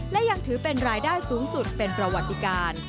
และยังถือเป็นรายได้สูงสุดเป็นประวัติการ